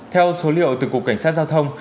theo số liệu từ cục cảnh sát giao thông